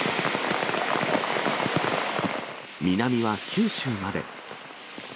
南は九州まで。